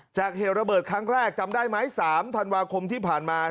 เหตุระเบิดครั้งแรกจำได้ไหม๓ธันวาคมที่ผ่านมา